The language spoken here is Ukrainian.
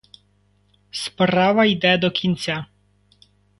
Справа йде до кінця.